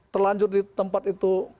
terlanjur di tempat itu